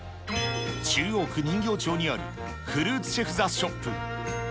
中央区人形町にあるフルーツシェフ・ザ・ショップ。